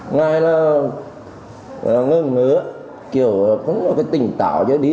ngay là ngơ ngứa kiểu không có cái tỉnh tạo cho đi